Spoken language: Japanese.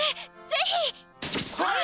ぜひ！